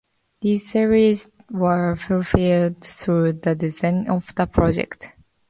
These desires were fulfilled through the design of the project.